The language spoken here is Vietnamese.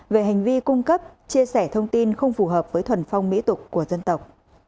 về hành vi cung cấp chia sẻ thông tin không phù hợp với thuần phong mỹ tục của dân tộc